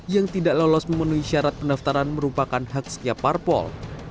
yang tidak lolos memenuhi syarat pendaftaran merupakan hak setiap parpol